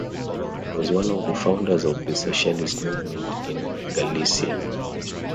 He was one of the founders of the socialist movement in Galicia.